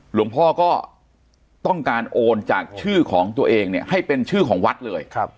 หลวงพ่อก็ต้องโอนจากชื่อของตัวเองเนี่ยให้เป็นชื่อของวัดเลย